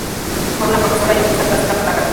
Fue una profesora y artista plástica polaca.